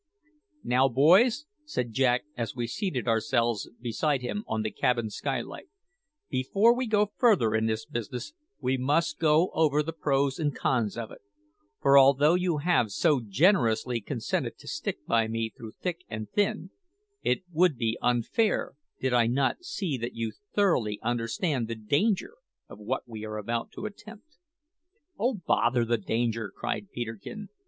"Now, boys," said Jack as we seated ourselves beside him on the cabin skylight, "before we go further in this business we must go over the pros and cons of it; for although you have so generously consented to stick by me through thick and thin, it would be unfair did I not see that you thoroughly understand the danger of what we are about to attempt." "Oh, bother the danger!" cried Peterkin.